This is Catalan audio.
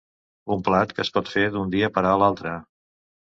Un plat que es pot fer d’un dia per a l’altre.